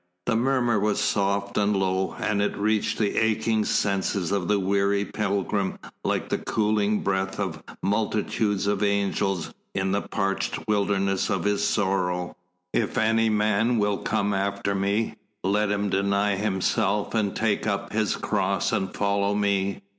The murmur was soft and low, and it reached the aching senses of the weary pilgrim like the cooling breath of multitudes of angels in the parched wilderness of his sorrow: "If any man will come after me, let him deny himself and take up his cross and follow me.